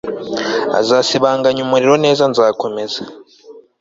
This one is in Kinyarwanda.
azasibanganya umuriro neza nzakomeza